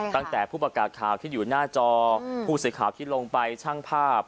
ตั้งแต่ผู้ประกาศข่าวที่อยู่หน้าจอผู้สื่อข่าวที่ลงไปช่างภาพ